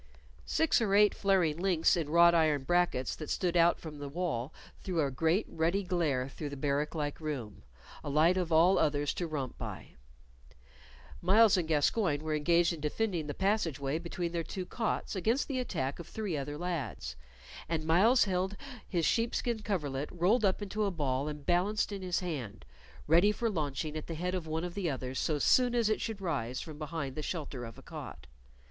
Six or eight flaring links in wrought iron brackets that stood out from the wall threw a great ruddy glare through the barrack like room a light of all others to romp by. Myles and Gascoyne were engaged in defending the passage way between their two cots against the attack of three other lads, and Myles held his sheepskin coverlet rolled up into a ball and balanced in his hand, ready for launching at the head of one of the others so soon as it should rise from behind the shelter of a cot.